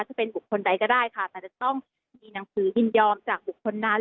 จะเป็นบุคคลใดก็ได้ค่ะแต่จะต้องมีหนังสือยินยอมจากบุคคลนั้น